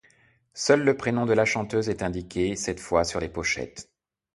Seul le prénom de la chanteuse est indiqué cette fois sur les pochettes.